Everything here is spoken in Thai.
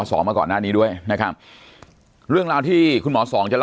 สวัสดีครับทุกผู้ชม